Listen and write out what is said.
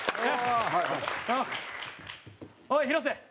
おい、広瀬。